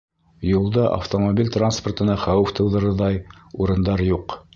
Юлда автомобиль транспортына хәүеф тыуҙырырҙай урындар юҡ.